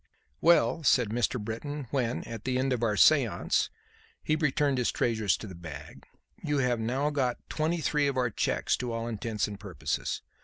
"Well," said Mr. Britton, when, at the end of the séance, he returned his treasures to the bag, "you have now got twenty three of our cheques, to all intents and purposes.